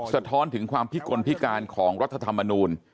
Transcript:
สะท้อนถึงความพิกลพิการของรัฐธรรมนูล